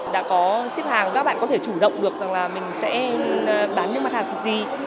đã có ship hàng các bạn có thể chủ động được rằng là mình sẽ bán những mặt hàng gì